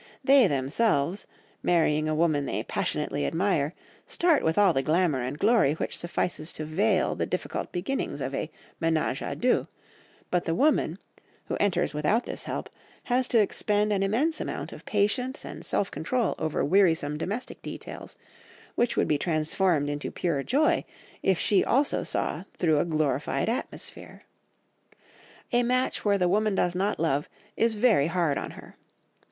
They themselves, marrying a woman they passionately admire, start with all the glamour and glory which suffices to veil the difficult beginnings of a menage à deux; but the woman, who enters without this help, has to expend an immense amount of patience and self control over wearisome domestic details, which would be transformed into pure joy if she also saw through a glorified atmosphere. A match where the woman does not love is very hard on her.